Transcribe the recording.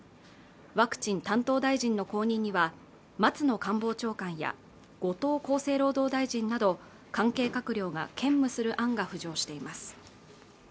ワクチン担当大臣の後任には松野官房長官や後藤厚生労働大臣など関係閣僚が兼務する案が浮上しています